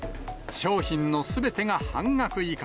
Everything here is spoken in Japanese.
商品のすべてが半額以下。